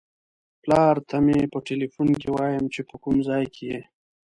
پلار ته مې په ټیلیفون کې وایم چې په کوم ځای کې یې.